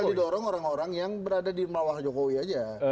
kita didorong orang orang yang berada di bawah jokowi aja